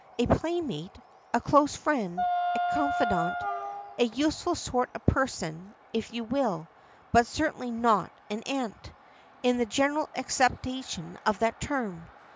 A playmate, a close friend, a confidante, a useful sort of person, if you will, but certainly not an aunt, in the general acceptation of that term.